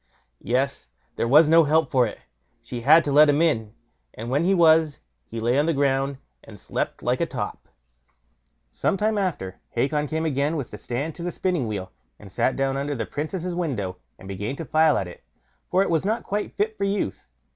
Yes! there was no help for it. She had to let him in, and when he was, he lay on the ground and slept like a top. Some time after, Hacon came again with the stand to the spinning wheel, and sat down under the Princess' window, and began to file at it, for it was not quite fit for use.